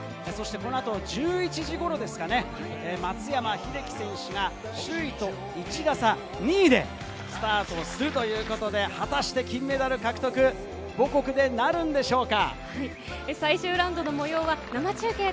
このあと１１時頃、松山英樹選手が首位と１打差、２位でスタートするということで、果たして金メダル獲得、母国でなるんでしょうか。